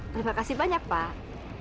terima kasih banyak pak